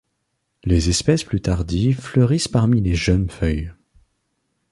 Les espèces plus tardives fleurissent parmi les jeunes feuilles.